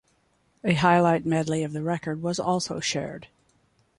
A highlight medley of the record was also shared.